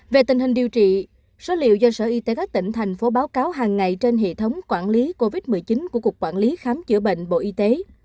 về tình hình điều trị số liệu do sở y tế các tỉnh thành phố báo cáo hàng ngày trên hệ thống quản lý covid một mươi chín của cục quản lý khám chữa bệnh bộ y tế